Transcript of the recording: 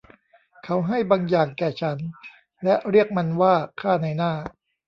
เขาให้บางอย่างแก่ฉันและเรียกมันว่า ค่านายหน้า